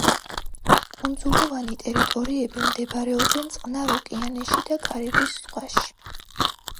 კუნძულოვანი ტერიტორიები მდებარეობენ წყნარ ოკეანეში და კარიბის ზღვაში.